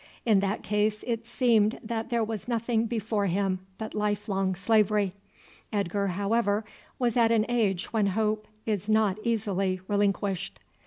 In that case it seemed that there was nothing before him but lifelong slavery. Edgar, however was at an age when hope is not easily relinquished.